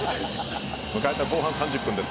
迎えた後半３０分です。